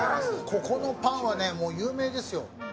ここのパンは有名ですよ。